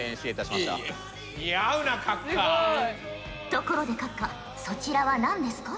ところで閣下そちらは何ですか？